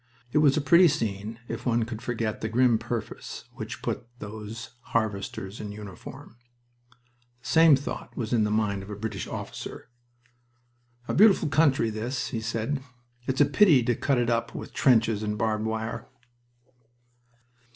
It was a pretty scene if one could forget the grim purpose which had put those harvesters in uniform. The same thought was in the mind of a British officer. "A beautiful country, this," he said. "It's a pity to cut it up with trenches and barbed wire."